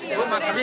terima kasih ya